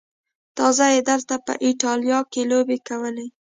تازه یې دلته په ایټالیا کې لوبې کولې.